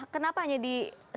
kenapa hanya di